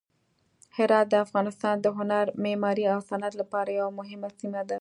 هرات د افغانستان د هنر، معمارۍ او صنعت لپاره یوه مهمه سیمه ده.